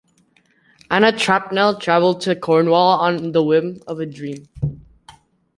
Anna Trapnell travelled to Cornwall on the whim of a dream.